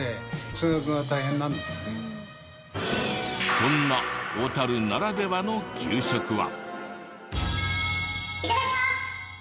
そんな小樽ならではの給食は。